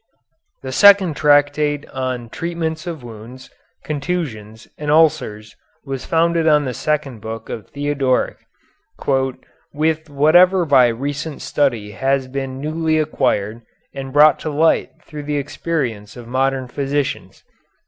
The second tractate on the treatments of wounds, contusions, and ulcers was founded on the second book of Theodoric "with whatever by recent study has been newly acquired and brought to light through the experience of modern physicians."